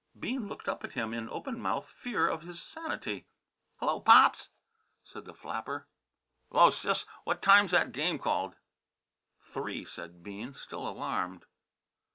Bean looked up at him, in open mouthed fear for his sanity. "Hello, Pops!" said the flapper. "'Lo, Sis! What time's 'at game called?" "Three," said Bean, still alarmed.